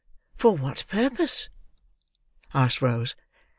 "For what purpose?" asked Rose.